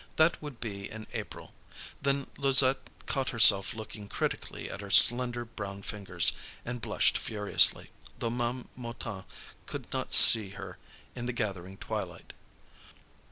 That would be in April. Then Louisette caught herself looking critically at her slender brown fingers, and blushed furiously, though Ma'am Mouton could not see her in the gathering twilight.